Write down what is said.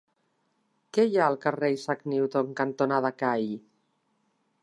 Què hi ha al carrer Isaac Newton cantonada Call?